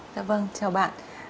dạ vâng chào bạn